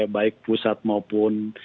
baik pusat maupun